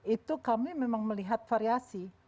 itu kami memang melihat variasi